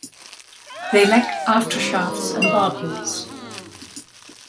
They lack aftershafts and barbules.